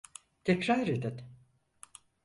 Tekrar edin.